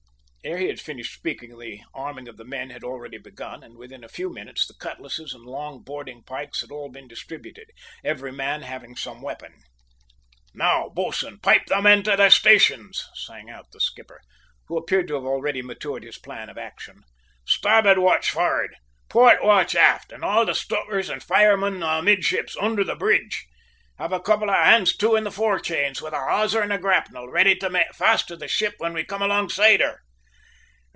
Ere he had finished speaking the arming of the men had already begun, and within a very few minutes the cutlasses and long boarding pikes had all been distributed, every man having some weapon. "Now, bo'sun, pipe the men to their stations," sang out the skipper, who appeared to have already matured his plan of action. "Starboard watch forrad, port watch aft, and all the stokers and firemen amidships, under the bridge. Have a couple of hands, too, in the forechains, with a hawser and grapnel, ready to make fast to the ship when we come alongside her."